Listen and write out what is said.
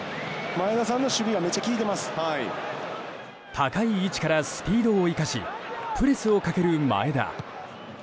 高い位置からスピードを生かしプレスをかける前田。